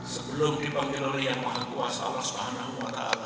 sebelum dipanggil oleh yang maha kuasa allah swt